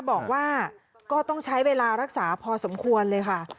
บอกว่าก็ต้องใช้เวลารักษาพอสมควรเลยค่ะ